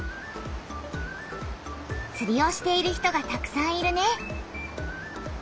つりをしている人がたくさんいるね。